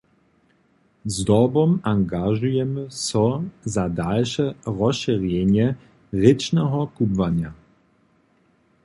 Zdobom angažujemy so za dalše rozšěrjenje rěčneho kubłanja.